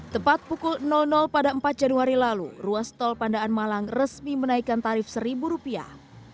tepat pukul pada empat januari lalu ruas tol pandaan malang resmi menaikkan tarif seribu rupiah